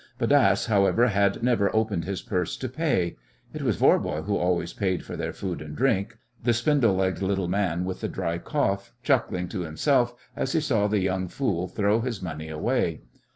Bodasse, however, had never opened his purse to pay. It was Voirbo who always paid for their food and drink, the spindle legged little man, with the dry cough, chuckling to himself as he saw the young fool throw his money away.